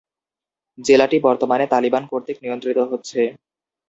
জেলাটি বর্তমানে তালিবান কর্তৃক নিয়ন্ত্রিত হচ্ছে।